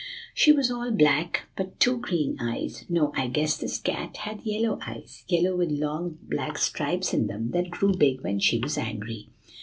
She was all black but two green eyes no, I guess this cat had yellow eyes, yellow with long black stripes in them that grew big when she was angry.